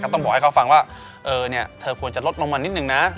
ก็ต้องบอกให้เขาฟังว่าเออเนี่ยเธอควรจะลดลงมานิดหนึ่งนะ